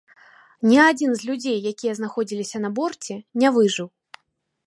Ні адзін з людзей, якія знаходзіліся на борце, не выжыў.